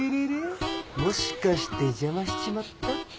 もしかして邪魔しちまった？